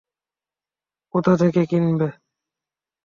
কোথা থেকে কিনবে?